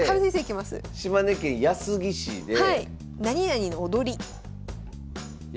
島根県安来市で。